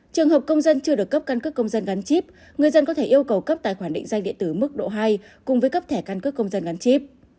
trường hợp công dân chưa được cấp căn cước công dân gắn chip người dân có thể yêu cầu cấp tài khoản định danh điện tử mức độ hai cùng với cấp thẻ căn cước công dân gắn chip